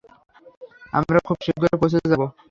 আমরা খুব শীঘ্রই পৌঁছে যাব।